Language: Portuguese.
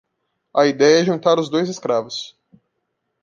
A ideia é juntar os dois escravos.